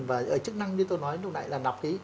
và ở chức năng như tôi nói lúc nãy là nọc ấy